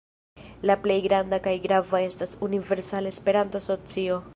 La plej granda kaj grava estas Universala Esperanto-Asocio.